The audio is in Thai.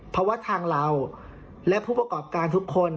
เพราะว่าทางเราและผู้ประกอบการทุกคน